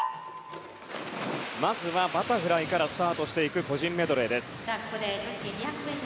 まずはバタフライからスタートしていく個人メドレーです。